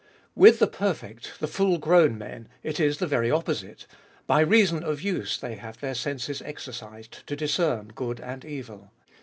With the perfect, the full grown men, it is the very opposite: by reason of use they have their senses exercised to discern good and evil.